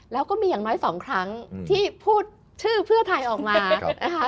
แล้วก็มีอย่างน้อยสองครั้งที่พูดชื่อเพื่อไทยออกมานะคะ